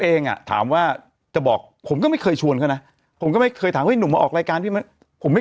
เองอ่ะถามว่าจะบอกผมก็ไม่เคยชวนเขานะผมก็ไม่เคยถามเฮ้ยหนุ่มมาออกรายการพี่ผมไม่